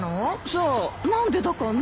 さあ何でだかね。